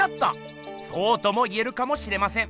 そうとも言えるかもしれません。